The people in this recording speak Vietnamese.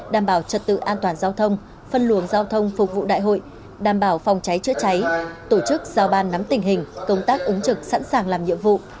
đảm bảo trật tự an toàn giao thông phân luồng giao thông phục vụ đại hội đảm bảo phòng cháy chữa cháy tổ chức giao ban nắm tình hình công tác ứng trực sẵn sàng làm nhiệm vụ